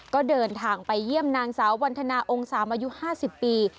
ก็เดินทางไปเยี่ยมนางสาววันธนาองค์สามอายุ๕๐ปี